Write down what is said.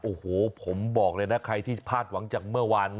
โอ้โหผมบอกเลยนะใครที่พลาดหวังจากเมื่อวาน